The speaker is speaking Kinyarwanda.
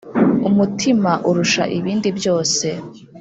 Umutima urusha ibindi byose